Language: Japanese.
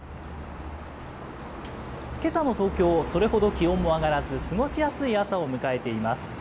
けさの東京、それほど気温も上がらず、過ごしやすい朝を迎えています。